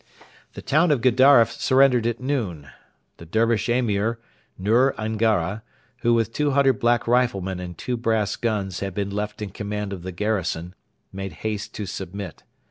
The town of Gedaref surrendered at noon. The Dervish Emir, Nur Angara, who with 200 black riflemen and two brass guns had been left in command of the garrison, made haste to submit.